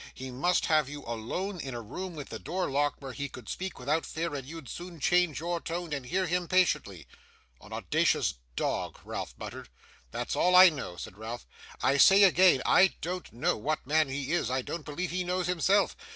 He must have you alone in a room with the door locked, where he could speak without fear, and you'd soon change your tone, and hear him patiently.' 'An audacious dog!' Ralph muttered. 'That's all I know,' said Newman. 'I say again, I don't know what man he is. I don't believe he knows himself.